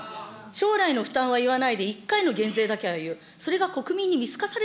将来の負担は言わないで１回の減税だけは言う、それが国民に見